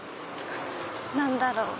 何だろう？